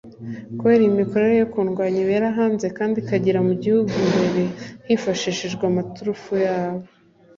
Kubera iyi mikorere yo kundwanya ibera hanze kandi ikagera no mu gihugu imbere hifashishijwe amaturufu yabo